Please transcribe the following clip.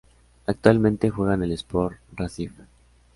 Actualmente juega en el Sport Recife.